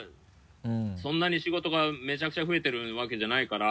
そんなに仕事がめちゃくちゃ増えてるわけじゃないから。